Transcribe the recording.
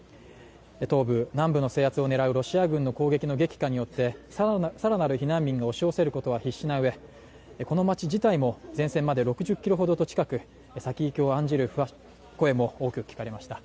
東部南部の制圧を狙うロシア軍の攻撃の激化によって、さらに更なる避難民が押し寄せることは必至な上この街自体も前線まで６０キロほど近く、先行きを案じる声も多く聞かれました。